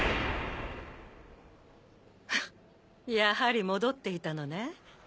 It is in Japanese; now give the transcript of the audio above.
フッやはり戻っていたのね。